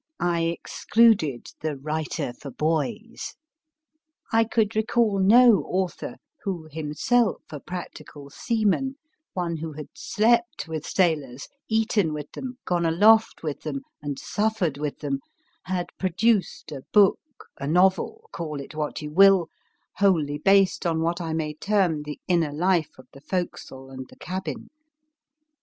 I excluded the Writer for Boys. I could recall no author who, himself a practical seaman, one who had slept with sailors, eaten with them, gone aloft with them, and suffered with them, had produced a book, a novel call it what you will wholly based on what I may term the inner life of the forecastle and the cabin.